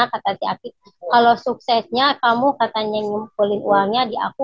kalau suksesnya kamu katanya ngumpulin uangnya di aku